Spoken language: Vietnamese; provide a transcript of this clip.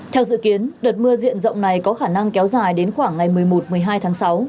theo dự kiến đợt mưa diện rộng này có khả năng kéo dài đến khoảng ngày một mươi một một mươi hai tháng sáu